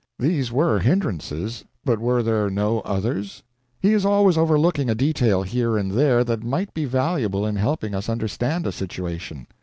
These were hindrances, but were there no others? He is always overlooking a detail here and there that might be valuable in helping us understand a situation.